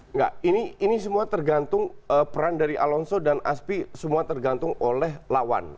enggak ini semua tergantung peran dari alonso dan aspi semua tergantung oleh lawan